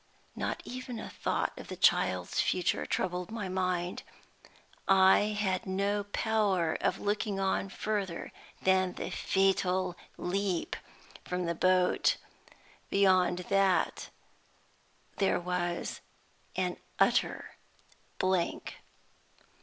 Not even a thought of the child's future troubled my mind. I had no power of looking on further than the fatal leap from the boat: beyond that there was an utter blank.